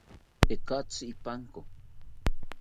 Tekatzi ipanko